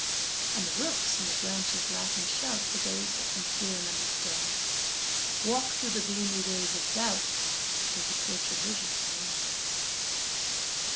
And the rooks in the branches laugh and shout To those that can hear and understand; "Walk through the gloomy ways of doubt With the torch of vision in your hand."